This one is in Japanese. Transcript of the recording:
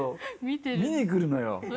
見に来るのよ。